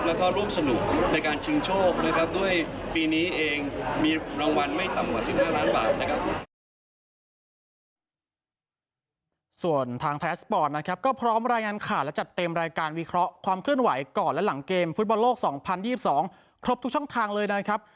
แล้วก็ร่วมสนุกในการชิงโชคนะครับด้วยปีนี้เองมีรางวัลไม่ต่ำกว่า๑๕ล้านบาทนะครับ